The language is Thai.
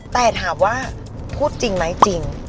แต่ถามว่าพูดจริงไหมจริง